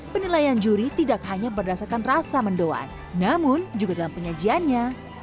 penilaian juri tidak hanya berdasarkan rasa mendoan namun juga dalam penyajiannya